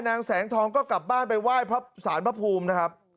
นางแสงทองก็กลับบ้านไปไหว้พระสารพระภูมินะครับ